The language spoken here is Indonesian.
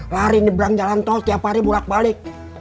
lari neberang jalan tol tiap hari bolak balik